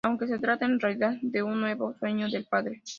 Aunque se trata en realidad de un nuevo sueño del padre.